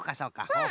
うん！